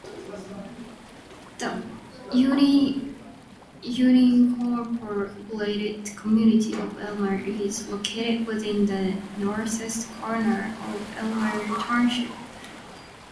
The unincorporated community of Elmer is located within the northeast corner of Elmer Township.